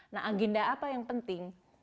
nah agenda apa yang penting